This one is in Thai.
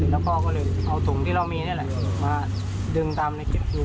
แล้วพ่อก็เลยเอาถุงที่เรามีนี่แหละมาดึงตามในคลิปดู